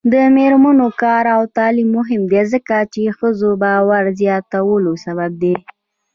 د میرمنو کار او تعلیم مهم دی ځکه چې ښځو باور زیاتولو سبب دی.